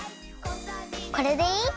これでいい？